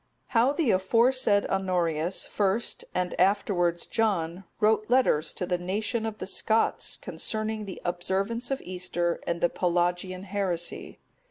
How the aforesaid Honorius first, and afterwards John, wrote letters to the nation of the Scots, concerning the observance of Easter, and the Pelagian heresy.